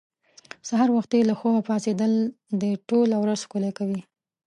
سهار وختي له خوبه پاڅېدل دې ټوله ورځ ښکلې کوي.